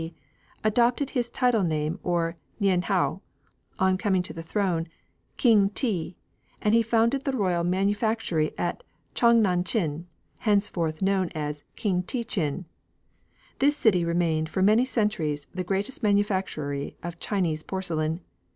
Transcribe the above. D., adopted as his title name, or nien hao, on coming to the throne, King te, and he founded the royal manufactory at Chang nan Chin, henceforward known as King te chin. This city remained for many centuries the greatest manufactory of Chinese porcelain.